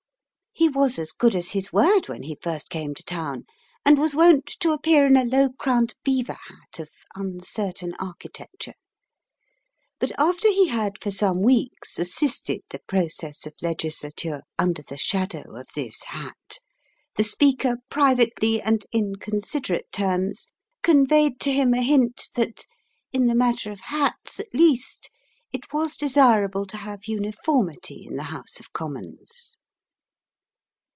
He was as good as his word when he first came to town, and was wont to appear in a low crowned beaver hat of uncertain architecture. But after he had for some weeks assisted the process of Legislature under the shadow of this hat, the Speaker privately and in considerate terms conveyed to him a hint that, in the matter of hats at least, it was desirable to have uniformity in the House of Commons.